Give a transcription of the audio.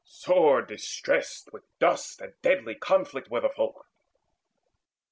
Sore distressed With dust and deadly conflict were the folk.